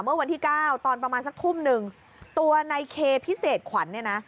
เมื่อวันที่เก้าตอนประมาณสักทุ่มหนึ่งตัวในเคพิเศษขวัญเนี่ยนะ